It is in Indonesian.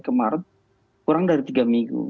kemarin kurang dari tiga minggu